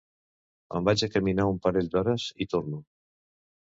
Me'n vaig a caminar un parell d'hores i torno